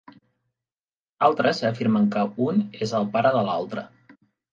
Altres afirmen que un és el pare de l'altre.